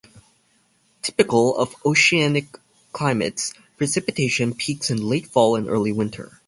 Typical of oceanic climates, precipitation peaks in late fall and early winter.